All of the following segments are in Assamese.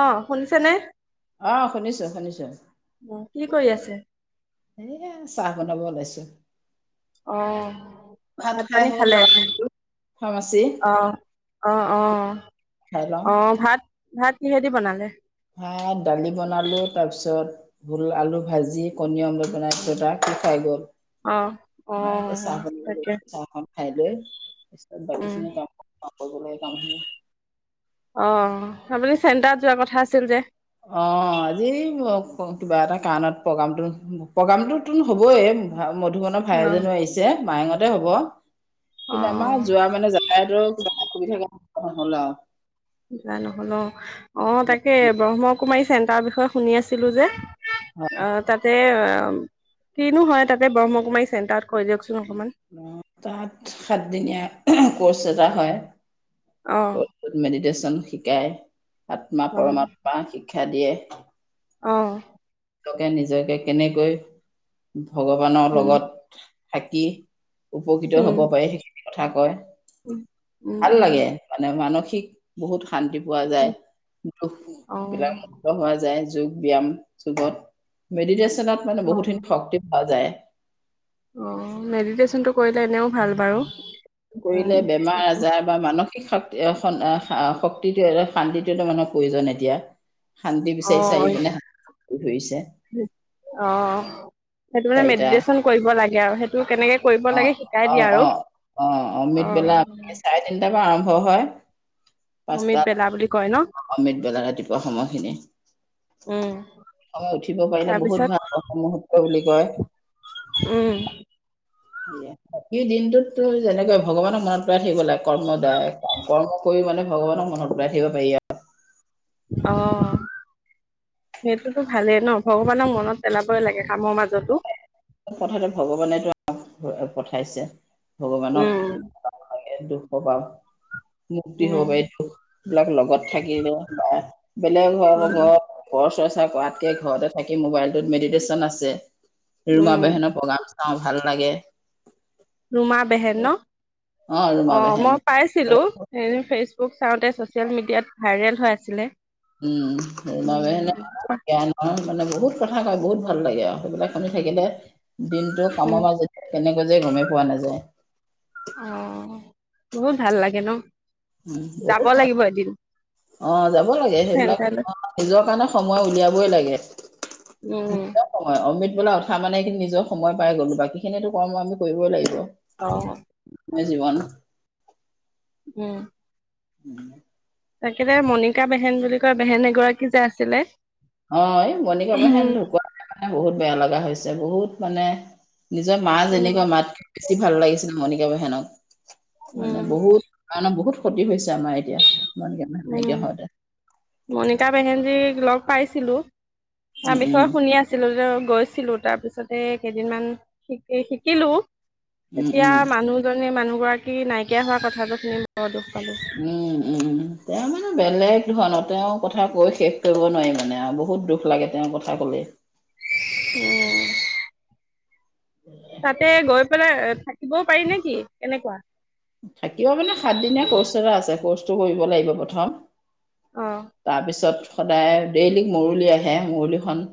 অ, শুনিছেনে? অ, শুনিছো, শুনিছো। উম, কি কৰি আছে? এয়া, চাহ বনাব ওলাইছো। অ। ভাত খাই পানী হ'ল খালে? লৰা ফাৰ্মাচী অ। অ, অ। এতিয়া খাই লওঁ অ, ভাত ভাত কিহেদি বনালে? ভাত, দালি বনালোঁ, তাৰপিছত ভোল, আলু ভাজি, কণী অমলেট বনাই দিলো তাক, সি খাই গ'ল। অ অ মই এতিয়া চাহ তাকে বনাবলৈছো, চাহ খাম। খাই লৈ, তাৰপিছত বাকী উম খিনি কাম কৰিম, কৰিবলগীয়া কাম খিনি। অ। আপুনি চেণ্টাৰত যোৱাৰ কথা আছিল যে? অ, আজি কিবা এটা কাৰণত প্ৰগ্ৰামটো প্ৰগ্ৰামটো টোন হবইে, মধুমনৰ অ ভাই এজনো আহিছে, মায়ঙতে হ'ব। অ কিন্তু আমাৰ যোৱা মানে যাতায়তৰ কিবা অসুবিধা [unintelligible] নহল আৰু। যোৱা নহল অ। অ, তাকে আৰু ব্ৰহ্মকুমাৰী চেণ্টাৰৰ বিষয়ে শুনি আছিলো যে। অ, অ। অ, তাতে, কিনো হয় তাতে ব্ৰহ্মকুমাৰী চেণ্টাৰত, কৈ দিয়কচোন অকমান? অ, তাত সাতদিনীয়া কৰ্চ এটা হয়। অ মেডিটেচন শিকায়, আত্মা অ পৰমাত্মা শিক্ষা দিয়ে। অ। লোকে নিজকে কেনেকৈ ভগৱানৰ উম লগত থাকি উপকৃত হ'ব উম পাৰি সেইখিনি কথা কয়, উম উম ভাল লাগে। মানে মানসিক বহুত শান্তি পোৱা উম যায়, দুখ অ বিলাক ত হোৱা যায় যোগ ব্যায়াম যুগত, মেডিটেচনত মানে অ বহুতখিনি শক্তি পোৱা যায়। অ মেডিটেচনটো কৰিলে এনেও ভাল বাৰু, কৰিলে উম। বেমাৰ-আজাৰ বা মানসিক শক্তি, অ শক্তিটো শান্তিটো মানুহৰ প্ৰয়োজন এতিয়া। শান্তি অ বিচাৰি চাৰি পিনে হাত ধৰিছে। অ, সেইটো মানে চাৰিটা মেডিটেচন কৰিব লাগে আৰু সেইটো কেনেকে কৰিব অ লাগে শিকাই অ দিয়া অ আৰু অ অ। অমৃত বেলা চাৰে তিনটাৰ পৰা আৰম্ভ হয়। অমিত পাঁচটাত বেলা বুলি কয় ন অমিত বেলা ৰাতিপুৱা সময়খিনি। উম সময়ত উঠিব পাৰিলে বহুত তাৰপিছত ভাল, বহ্মমুহুৰ্ত বুলি কয়। উম। বাকী দিনটোতটো যেনেকে ভগৱানক মনত পেলাই থাকিব লাগে কৰ্ম দ্বাৰাই, কৰ্ম কৰি মানে ভগবানক মনত পেলাই থাকিব পাৰি আৰু। অ। সেইটোতো ভালেই ন, ভগৱানক মনত পেলাবই লাগে কামৰ মাজটো। কথাতে ভগৱানেটো আমাক পঠাইছে, উম ভগৱানক [unintelligible] মুক্তি উম হব পাৰি, দুখ বিলাক লগত থাকিলেও বা বেলেগ ঘৰৰ উম লগত পৰচৰ্চা কৰাতকৈ ঘৰতে থাকি মোবাইলটোত মেডিটেচন আছে। ৰুমা উম বেহেনৰ প্ৰগ্ৰাম চাওঁ, ভাল লাগে। ৰুমা বেহেন ন? ৰুমা অ, বেহেন মই পাইছিলো। এদিন ফেচবুক চাওঁতে ছ'চিয়েল মিডিয়াত ভাইৰেল হৈ আছিলে। উম', [unintelligible] [unintelligible] উম অ', মানে বহুত কথা কয় বহুত ভাল লাগে আৰু সেইবিলাক শুনি থাকিলে, দিনটো উম, কামৰ মাজত কেনেকে যাই গমেই পোৱা নাযায়। অ', বহুত ভাল লাগে ন। উম', যাব বহুত ভাল লাগিব এদিন অ, যাব লাগে। সেইবিলাক চেণ্টাৰলৈ নিজৰ কাৰণে সময় উলিয়াবই লাগে। উম', অমৃত বেলা উঠা মানে কিন্তু নিজৰ সময় পাই গ'লো বাকীখিনিটো কৰ্ম আমি কৰিবই লাগিব। অ', এই জীৱন উম', [unintelligible] তাকেতে মণিকা বেহেন বুলি কয়। বেহেন এগৰাকী যে আছিলে? অ', এই, মণিকা বেহেন উম ঢুকুৱা কাৰণে বহুত বেয়া লগা হৈছে। বহুত মানে নিজৰ মা উম যেনেকুৱা মাত কৈয়ো বেছি ভাল লাগিছিলে। মণিকা বেহেনক উম মানে বহুত কাৰণৰ বহুত ক্ষতি হৈছে। আমাৰ এতিয়া, মণিকা বেহেন উম নাইকিয়া হওঁতে। মণিকা বেহেনজীক লগ পাইছিলো। উম তাৰ বিষয়ে উম শুনি আ ছিলো। গৈছিলো, তাৰ পিছতে কেইদিনমান শিকি শিকিলো। উম এতিয়া উম মানুহজনী মানুহ গৰাকী নাইকিয়া হোৱা কথাটো শুনি বৰ দুখ পালো। উম', উম, তেওঁ বেলেগ ধৰণৰ তেওঁৰ কথা কৈ শেষ কৰিব নোৱাৰি, মানে আৰু বহুত দুখ লাগে। তেওঁৰ কথা ক'লে। হম', [unintelligible] তাতে গৈ পেলাই থাকিবওঁ পাৰি নেকি? এনেকুৱা। থাকিব মানে সাত দিনীয়া কৰ্চ এটা আছে। কৰ্চটো কৰিব লাগিব প্ৰথম। অ' তাৰপিছত সদায় ডেইল মৰুলি আহে, মৰুলিখন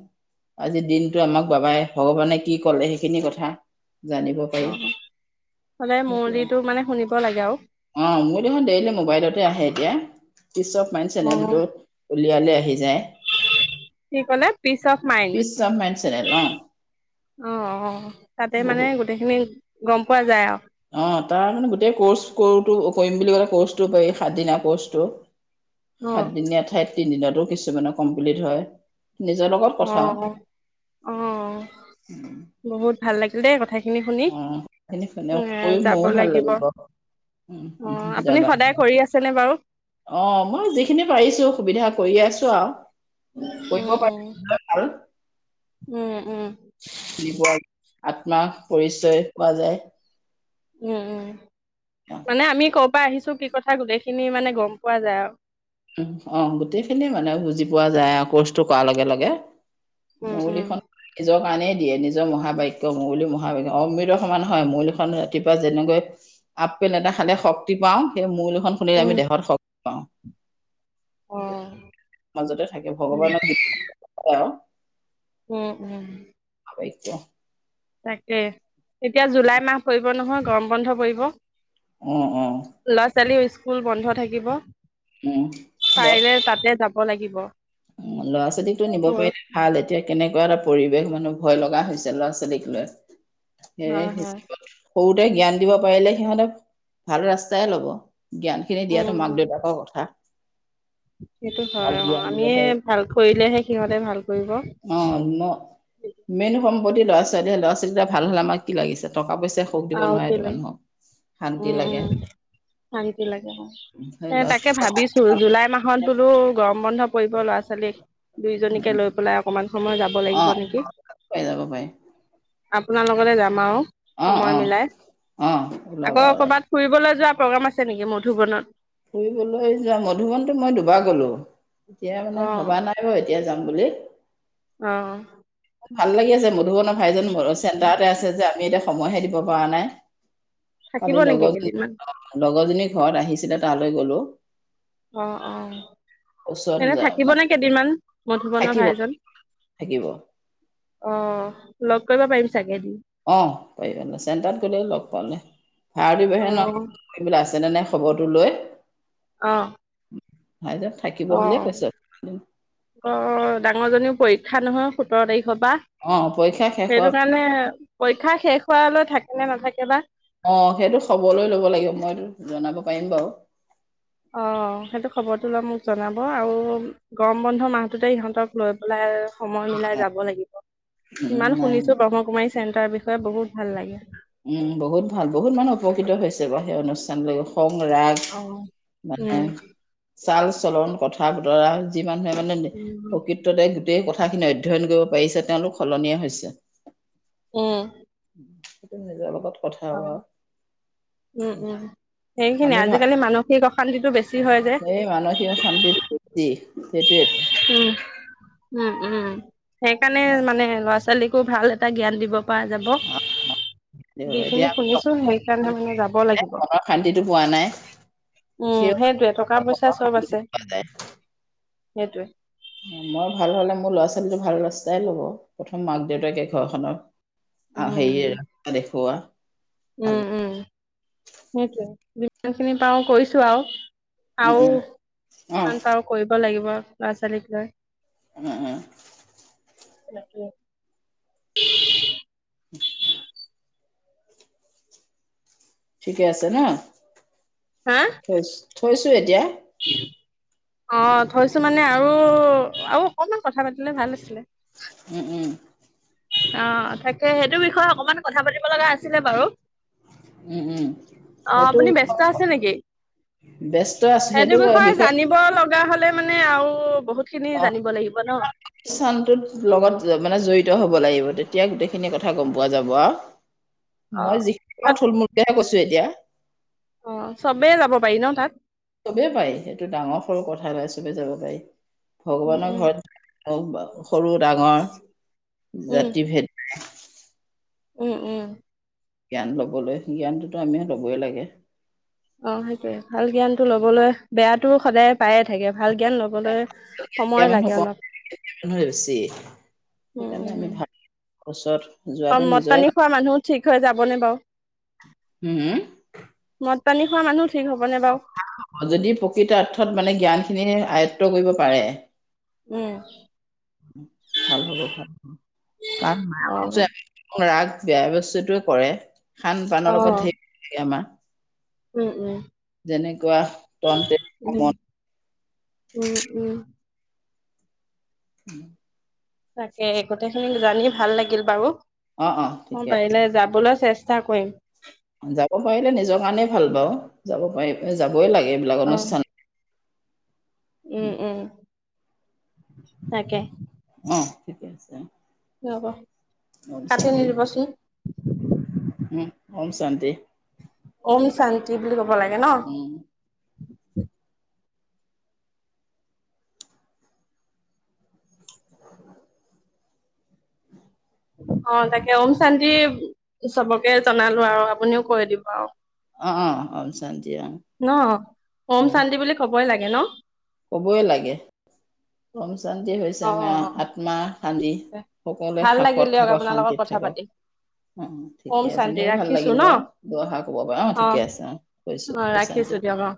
আজি দিনটো আমাক বাবাই ভগৱানে কি ক'লে সেইখিনি কথা জানিব পাৰি অ', হ'লে সেইটোৱে মুৰুলিটো মানে শুনিব লাগে আৰু অ', মুৰুলিখন ডেইলি মোবাইলতে আহে এতিয়া অ, পিচ অফ মাইণ্ড চেনেলটো উলিয়ালে আহি যায়। কি ক'লে piece of mind? Piece of mind channel অ অ', অ, তাতে মানে বহুত গোটেইখিনি গ'ম পোৱা যায়, আৰু অ', তাৰ মানে গোটেই কৰ্চ কৰো কৰিম বুলি ক'লে, ক'ৰ্চটো পাৰি সাতদিনা কৰ্চটো। অ সাতদিনীয়া ঠাইত তিনদিনতো কিছুমানে কমপ্লিট হয়। নিজৰ লগত অ কথা। অ বহুত ভাল লাগিল দেই, কথাখিনি শুনি, অ সেইখিনি শুনে উম, কৰি যাব ময়ো ভাল লাগিব। উম উম অ', আপুনি যাবা সদায় কৰি আছেনে বাৰু? অ', মই যিখিনি পাৰিছো। সুবিধা কৰি আছো আৰু উম কৰিব উম [unintelligible] আৰু উম', উম, জীৱআত্মা পৰিচয় পোৱা যায়। উম', উম, মানে আমি ক'ৰ পৰা আহিছো কি কথা গোটেইখিনি মানে গ'ম পোৱা যায় আৰু উ', অ, গোটেইখিনি মানে বুজি পোৱা যায় আৰু কৰ্চটো কৰাৰ লগে। লগে। উম উম মুৰলীখন নিজৰ কাৰণেই দিয়ে নিজৰ মহাবাক্য মুৰুলী মহাবাক্য অমৃত সমান হয় মুৰুলীখন ৰাতিপুৱা যেনেকৈ আপেল এটা খালে শক্তি পাওঁ সেই মুৰুলী এখন শুনিলে উম আমি দেহত শক্তি পাওঁ অ মাজতে থাকে উম ভগৱানক [unintelligible] উম উম শইকীয়া তাকে এতিয়া জুলাই মাহ পৰিব নহয় গৰম বন্ধ পৰিব অ অ ল'ৰা ছোৱালী স্কুল বন্ধ থাকিব উম পাৰিলে তাতে যাব লাগিব। উম ল'ৰা ছোৱালীকতো নিব পাৰিলে ভাল এতিয়া কেনেকুৱা এটা পৰিৱেশ মানুহৰ ভয় লগা হৈছে ল'ৰা ছোৱালীক লৈ হয় সেয়ে হয় সৰুতে জ্ঞান দিব পাৰিলে সিহঁতে ভাল ৰাস্তাই ল'ব জ্ঞান খিনি উম দিয়াতো উম মাক দেউতাকৰ কথা। সেইটো ভাল হয় অ জ্ঞান দিব আমিয়ে পাৰি ভাল কৰিলেহে সিহঁতে ভাল কৰিব। অ ন মেইন সম্পত্তি ল'ৰা ছোৱালী ল'ৰা ছোৱালী কেইটা ভাল হ'লে আমাক কি লাগিছে টকা পইচাই সুখ দিব আৰু কি নোৱাৰেতো লাগে মানুহক শান্তি উম লাগে উম শান্তি লাগে ধৰি হয় লওক তাকে ভাবিছো। জুলাই মাহততোতো গৰম বন্ধ পৰিব ল'ৰা ছোৱালীক দুইজনীকে লৈ পেলাই অকনমান সময় যাম যাব লাগিব অ নেকি পাই যাব পাৰি আপোনাৰ লগতে যাম আও অ অ সময় মিলাই অ ওলাবা আকৌ ওলাবা কবাত ফুৰিবলৈ যোৱা প্ৰগ্ৰেম আছে নেকি মধুবনত ফুৰিবলৈ যোৱা মধুবনতো মই দুবাৰ গ'লো এতিয়া অ মানে ভবা নাই বাৰু এতিয়া যাম বুলি অ ভাল লাগি আছে মধুবনৰ ভাইজান মোৰ চেণ্টাৰতে আছে যে আমি এতিয়া সময়হে দিব পৰা নাই থাকিব কালি নেকি কেইদিনমান লগৰ লগৰজনী ঘৰত আহিছিলে তালৈ গলো অ অ ওচৰত এনে যা- মানে থাকিবনে কেইদিনমান মধুবনৰ থাকিব ভাইজন থাকিব অ লগ কৰিব পাৰিম চাগে এদিন অ পাৰিবা চেণ্টাৰত গ'লে লগ পালে ভাড় অ বিবাহে ন কৰিবলৈ আছে‌ নে নাই খবৰটো লৈ অ ভাইজন থাকিব বুলিয়ে কৈছে অ ডাঙৰ জনীও পৰীক্ষা নহয় সোতৰ তাৰিখৰ পৰা অ পৰীক্ষা শেষ হোৱা মানে পৰীক্ষা শেষ হোৱালৈ থাকে নে নাথাকে বা অ সেইটো খবৰ লৈ ল'ব লাগিব মইতো জনাব পাৰিম বাৰু অ সেইটো খবৰটো লৈ মোক জনাব আৰু গৰম বন্ধ মাহটোতে ইহঁতক লৈ পেলাই সময় মিলাই যাব লাগিব উম ইমান নাই শুনিছো ব্ৰহ্মকুমাৰী চেণ্টাৰ বিষয়ে বহুত ভাল লাগে উম বহুত ভাল বহুত মানুহ উপকৃত হৈছে বাও সেই অনুষ্ঠানলৈ গৈ খং ৰাগ অ মানে উম চাল চলন কথা বতৰা যি মানুহে মানে উম প্ৰকৃততে গোটেই কথাখিনি অধ্যয়ন কৰিব পাৰিছে তেওঁলোক সলনি হৈছে উম সেইটো নিজৰ লগত কথা অ বাও উম উম সেইখিনিয়ে ভা আজিকালি মানসিক অশান্তিটো বেছি হয় যে বেছি সেইটোয়ে উম। উম। উম। সেইকাৰণে মানে ল'ৰা ছোৱালীকো ভাল এটা জ্ঞান দিব পৰা যাব। এতিয়া যিখিনি শুনিছো। সেইকাৰণে মানে যাব লাগিব। মনৰ শান্তিটো পোৱা নাই উম। সেই সেইটোৱে। টকা-পইচা মনৰ চব শান্তিটো আছে। পোৱা যায় সেইটোৱে মই ভাল হ'লে, মোৰ ল'ৰা -ছোৱালী ল-ছোৱালীটো ভাল ৰাস্তাই ল'ব। প্ৰথম মাক দেউতাকে ঘৰখনৰ, এ উম, হেৰি দেখুওৱা ভাল উম। উম। সেইটোৱে। যিমানখিনি পাওঁ কৰিছোঁ আৰু। উম আৰু উম অ কিমান পাৰো কৰিব লাগিব, ল'ৰা-ছোৱালীকলৈ উম- উম তাকে [unintelligible] ঠিকে আছে ন? হা? এছ। থৈছোঁ এতিয়া। অ'হ। থৈছো মানে আৰু, আৰু অকমান কথা পাতিলে ভাল আছিলে। উম। উম। অ' তাকে। সেইটো বিষয়ে অকমান কথা পাতিব লগা আছিলে বাৰু। উম উম অ'হ। সেইটো আপুনি ব্যস্ত আছে নেকি? ব্যস্ত আছোঁ। সেইটো বিষয়ে [unintelligible] লগা হ'লে মানে আৰু বহুত খিনি জানিব লাগিব ন। চানটোত লগত মানে জড়িত হ'ব লাগিব। তেতিয়া গোটেইখিনি কথা গম পোৱা যাব আও। [inaudible] মই যিখিনি পাওঁ তাত থুলমুলকেহে কৈছোঁ, এতিয়া অ'হ। চবে যাব পাৰি ন তাত? চবে পাৰি। এইটো ডাঙৰ -সৰু কথা নাই। চবে যাব পাৰি। উম ভগৱানৰ উম ঘৰত [unintelligible] সৰু -ডাঙৰ, উম জাতি- ভেদ উম। উম। জ্ঞান ল'বলৈ। জ্ঞানটোতো আমি ল'বই লাগে। অ'হ। সেইটোয়ে। ভাল জ্ঞানটো লবলৈ, বেয়াটো সদায় পায়ে থাকে। ভাল জ্ঞান ল'ব ল'বলৈ সময় এতিয়া মানুহ লাগে কম অলপ। মানুহে বেছি উম। সেইকাৰণে আমি উম। ভাল ওচৰত অ' যোৱাটো মদ- নিজৰে পানী লাভ। খোৱা মানুহো ঠিক হৈ যাবনে বাৰু? হু হুম মদ -পানী খোৱা মানুহো ঠিক হ'বনে বাৰু? অ' যদি প্ৰকৃতাৰ্থত মানে জ্ঞানখিনি আয়ত্ব কৰিব পাৰে উম [inaudible] ভাল হ'ব ভাল হব। কাৰণ অ মায়া [unintelligible] ৰাগ বেয়া বস্তুটোৱে কৰে। খান অ -পানৰ লগত ধেৰ [unintelligible] আমাৰ উম। উম। যেনেকুৱা তন, তেনেকুৱা উম মন। উম। উম। [unintelligible] তাকে গোটেইখিনিক জানি ভাল লাগিল বাৰু। অ অ মোৰ ঠিকে পাৰিলে যাবলৈ চেষ চেষ্টা কৰিম। যাব পাৰিলে নিজৰ কাৰণেই ভাল বাৰু। যাব পাৰি, যাবই লাগে এইবিলাক অ অনুষ্ঠান উম, উম। [inaudible] তাকে। অ', ঠিকে আছে। ৰ'ব। ঔম কাটি শান্তি, নিদিবচোন উম, ঔম শান্তি। ঔম শান্তি বুলি কব লাগে ন। উম। [unintelligible] অ', তাকে ঔম শান্তি, চবকে জনালো আৰু আপুনিও কৈ দিব আৰু অ', ঔম শান্তি অ', উম। থবই লাগে ন। কবই লাগে, ঔম শান্তি হৈ চে অ আমাৰ আত্মা শান্তি, অ সকলোৱে ভাল লাগিল সাসত দিয়ক থাকক আপোনাৰ লগত শান্তিত কথা থাকক। পাতি অ', ওম ঠিকে আছে, শান্তি ময়ো ভাল ৰাখিছো লাগিল ন বাৰু দুআষাৰ কব পাৰা অ', ঠিকে আছে অ' অ', থৈছো শান্তি ৰাখিছো দিয়ক অ'